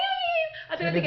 satu dua tiga